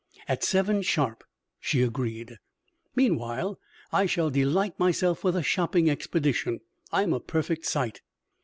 "At seven, sharp!" she agreed. "Meanwhile I shall delight myself with a shopping expedition. I'm a perfect sight."